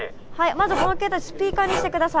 まずこの携帯スピーカーにして下さい。